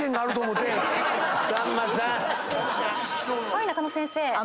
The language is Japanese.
はい中野先生。